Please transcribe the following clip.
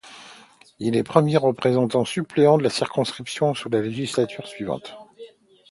Il est premier représentant suppléant de la circonscription sous la législature suivante.